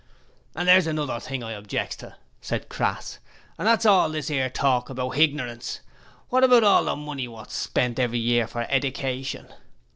'And there's another thing I objects to,' said Crass. 'And that's all this 'ere talk about hignorance: wot about all the money wots spent every year for edication?'